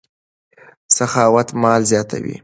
سخاوت مال زیاتوي.